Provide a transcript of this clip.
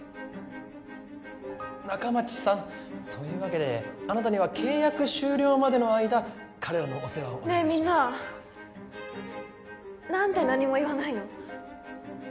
仲町さんそういうわけであなたには契約終了までの間彼らのお世話をねえみんななんで何も言わないの？